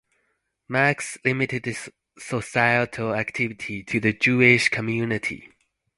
Max limited his societal activity to the Jewish community.